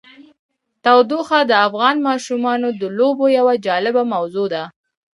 تودوخه د افغان ماشومانو د لوبو یوه جالبه موضوع ده.